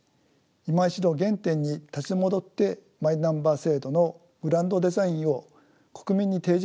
いま一度原点に立ち戻ってマイナンバー制度のグランドデザインを国民に提示すべきではないでしょうか。